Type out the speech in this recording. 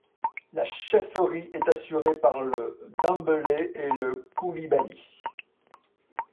La chefferie est assurée par le Dembelé et le Coulibaly.